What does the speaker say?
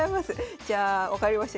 じゃあ分かりました。